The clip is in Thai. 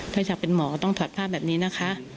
ถ้าอยากเป็นหมอต้องถอดผ้าแบบนี้นะคะ